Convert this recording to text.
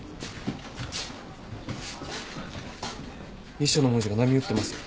遺書の文字が波打ってます。